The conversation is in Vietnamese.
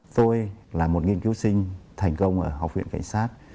tôi là một nghiên cứu sinh thành công ở học viện cảnh sát